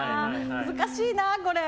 難しいな、これ。